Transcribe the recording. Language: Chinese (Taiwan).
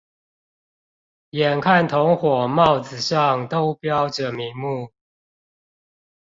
眼看同夥帽子上都標著名目